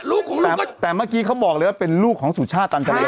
ลูกของลูกก็แต่เมื่อกี้เขาบอกเลยว่าเป็นลูกของสุชาติอันตรี